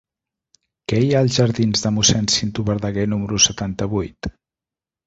Què hi ha als jardins de Mossèn Cinto Verdaguer número setanta-vuit?